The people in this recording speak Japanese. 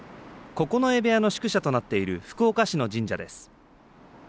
九重部屋の宿舎となっている福岡市の神社です。